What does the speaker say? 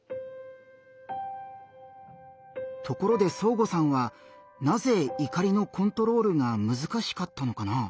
ところでそーごさんはなぜ怒りのコントロールがむずかしかったのかな？